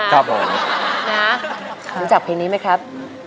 คุณรู้จักเพลงนี้ไหมครับ